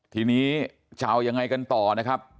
ทีนี้จะเอายังไงกันต่อนะครับ